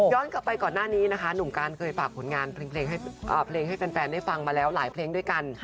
กลับไปก่อนหน้านี้นะคะหนุ่มการเคยฝากผลงานเพลงให้แฟนได้ฟังมาแล้วหลายเพลงด้วยกัน